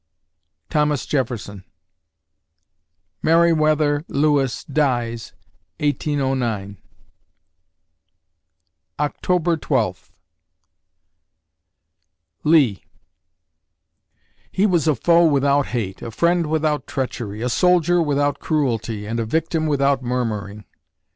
THOMAS JEFFERSON Meriwether Lewis dies, 1809 October Twelfth LEE He was a foe without hate, a friend without treachery, a soldier without cruelty, and a victim without murmuring.